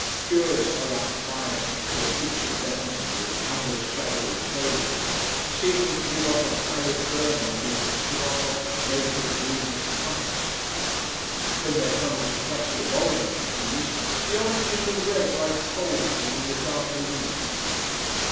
Curious how like fires the heaps of lemons look, under the shadow of foliage, seeming to give off a pallid burning amid the suave, naked, greenish trunks. When there comes a cluster of orange trees, the oranges are red like coals among the darker leaves.